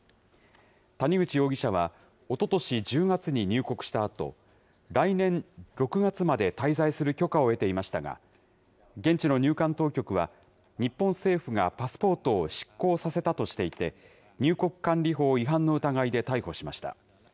谷口容疑者は、おととし１０月に入国したあと、来年６月まで滞在する許可を得ていましたが、現地の入管当局は、日本政府がパスポートを失効させたとしていて、入国管理法違反の疑いで逮捕しました。